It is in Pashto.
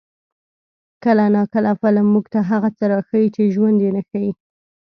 کله ناکله فلم موږ ته هغه څه راښيي چې ژوند یې نه ښيي.